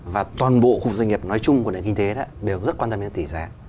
và toàn bộ khu doanh nghiệp nói chung của kinh tế đó đều rất quan tâm đến tỉ giá